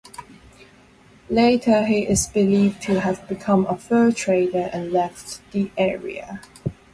Later, he is believed to have become a fur trader and left the area.